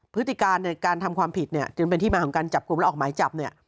พฤติการการทำความผิดเป็นที่มาจากกลุ่มออกหมายจับ